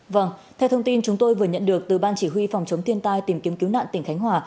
vâng theo thông tin chúng tôi vừa nhận được từ ban chỉ huy phòng chống thiên tai tìm kiếm cứu nạn tỉnh khánh hòa